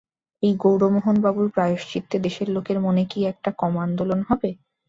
এই গৌরমোহনবাবুর প্রায়শ্চিত্তে দেশের লোকের মনে কি একটা কম আন্দোলন হবে।